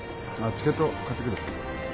チケット買ってくる。